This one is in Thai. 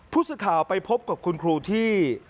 ผู้สื่อข่าวไปพบกับคุณครูที่